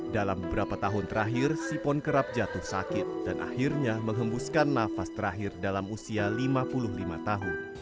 dalam beberapa tahun terakhir sipon kerap jatuh sakit dan akhirnya menghembuskan nafas terakhir dalam usia lima puluh lima tahun